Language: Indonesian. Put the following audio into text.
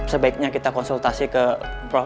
sebaiknya kita konsultasi ke prof